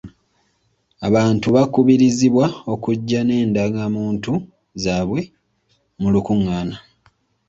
Abantu bakubirizibwa okujja n'endagamuntu zaabwe mu lukungana.